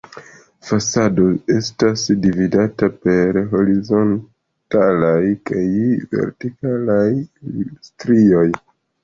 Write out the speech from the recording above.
Fasado estas dividata per horizontalaj kaj vertikalaj strioj.